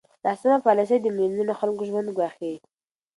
ناسمه پالېسي د میلیونونو خلکو ژوند ګواښي.